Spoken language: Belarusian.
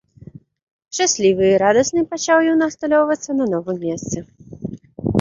Шчаслівы і радасны пачаў ён асталёўвацца на новым месцы.